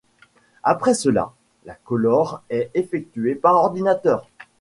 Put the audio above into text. Après cela, la colore est effectuée par ordinateur.